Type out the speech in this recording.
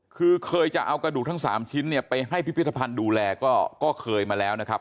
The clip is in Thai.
คือเคยจะเอากระดูกทั้ง๓ชิ้นเนี่ยไปให้พิพิธภัณฑ์ดูแลก็เคยมาแล้วนะครับ